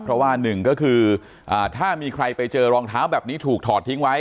เพราะว่าหนึ่งก็คือถ้ามีใครไปเจอรองเท้าแบบนี้ถูกถอดทิ้งไว้